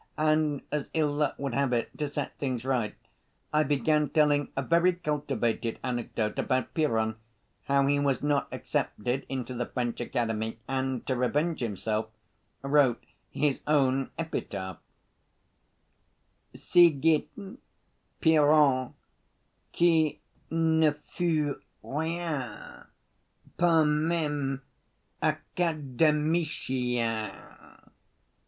And as ill‐luck would have it, to set things right, I began telling a very cultivated anecdote about Piron, how he was not accepted into the French Academy, and to revenge himself wrote his own epitaph: Ci‐gît Piron qui ne fut rien, Pas même académicien.